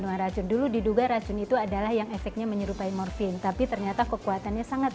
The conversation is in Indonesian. dengan racun dulu diduga racun itu adalah yang efeknya menyerupai morfin tapi ternyata kekuatannya sangat